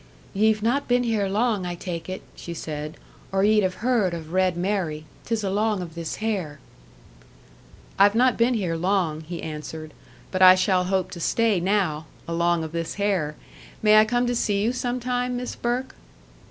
"Ye've not been here long, I take it," she said, "or ye'd have heard of 'Red Mary.' 'Tis along of this hair." "I've not been here long," he answered, "but I shall hope to stay now along of this hair! May I come to see you some time, Miss Burke?"